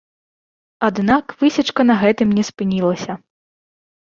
Аднак высечка на гэтым не спынілася.